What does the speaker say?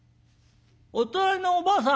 お隣のおばあさん。